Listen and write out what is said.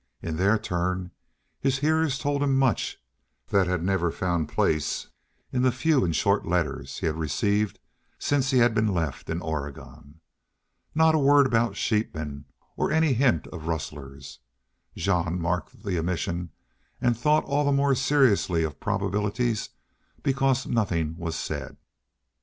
In their turn his hearers told him much that had never found place in the few and short letters he had received since he had been left in Oregon. Not a word about sheepmen or any hint of rustlers! Jean marked the omission and thought all the more seriously of probabilities because nothing was said.